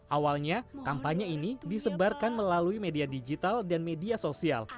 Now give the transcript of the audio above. awalnya kampanye ini disebarkan melalui media digital dan media sosial